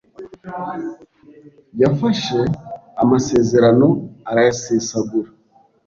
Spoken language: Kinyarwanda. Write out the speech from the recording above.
yafashe amasezerano arayasesagura.